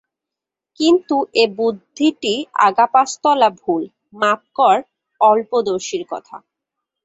কিন্তু এ বুদ্ধিটি আগাপাস্তলা ভুল, মাপ কর, অল্পদর্শীর কথা।